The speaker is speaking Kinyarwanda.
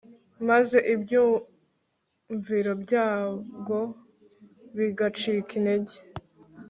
maze ibyumviro byabwo bigacika intege